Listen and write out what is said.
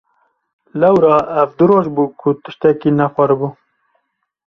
Lewra ev du roj bû ku tiştekî nexwaribû.